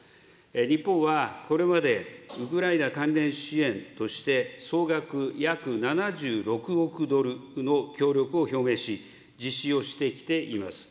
日本はこれまでウクライナ関連支援として、総額約７６億ドルの協力を表明し、実施をしてきています。